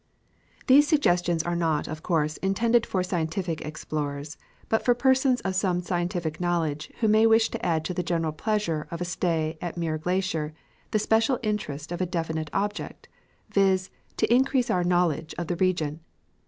These suggestions are not, of course, intended for scientific explorers ; but for persons of some scientific knowledge who may wish to add to the general pleasure of a stay at Muir glacier the special interest of a definite object, viz, to increase our knowledge of the region.